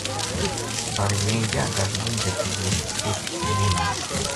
بارے میں یاہ گل نیہہ دسی جے رچھ میں ماریا